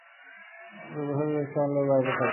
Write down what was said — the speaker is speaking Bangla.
দুই বছর জাতীয় দলের বাইরে থাকেন।